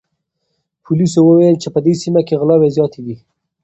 پولیسو وویل چې په دې سیمه کې غلاوې زیاتې دي.